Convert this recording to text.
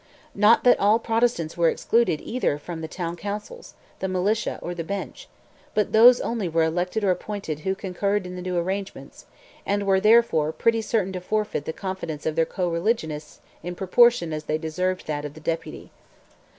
Not that all Protestants were excluded either from town councils, the militia, or the bench, but those only were elected or appointed who concurred in the new arrangements, and were, therefore, pretty certain to forfeit the confidence of their co religionists in proportion as they deserved that of the Deputy.